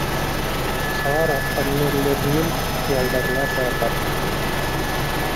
Шаар аткаминерлеринин кыялдарына саякат